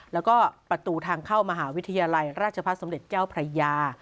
แล้วก็ประตูทางเข้ามหาวิทยาลัยราชพัฒน์สมเด็จเจ้าพระยา